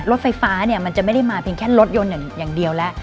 รถไฟฟ้าเนี่ยมันจะไม่ได้มาเพียงแค่รถยนต์อย่างเดียวแล้ว